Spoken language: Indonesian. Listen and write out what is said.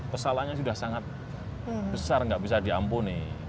kesalahannya sudah sangat besar nggak bisa diampuni